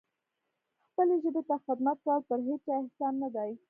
خپلې ژبې ته خدمت کول پر هیچا احسان نه دی.